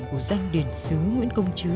của danh điển sứ nguyễn công chứ